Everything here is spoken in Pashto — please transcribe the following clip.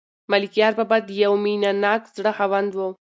ملکیار بابا د یو مینه ناک زړه خاوند و.